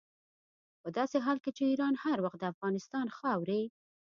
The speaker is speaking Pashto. په داسې حال کې چې ایران هر وخت د افغانستان خاورې.